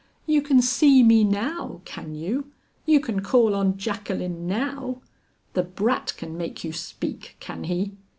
You can see me now, can you? You can call on Jacqueline now? The brat can make you speak, can he?